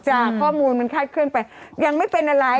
ข้อมูลมันคาดเคลื่อนไปยังไม่เป็นอะไร